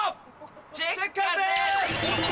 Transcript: チェッカーズです！